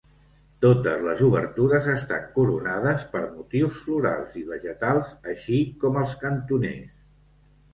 Totes les obertures estan coronades per motius florals i vegetals així com els cantoners.